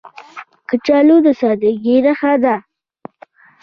کچالو د سادګۍ نښه ده